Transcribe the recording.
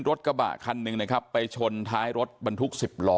รถกระบะคันหนึ่งนะครับไปชนท้ายรถบรรทุก๑๐ล้อ